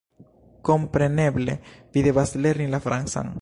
"Kompreneble, vi devas lerni la francan!